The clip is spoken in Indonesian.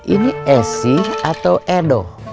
ini esi atau edo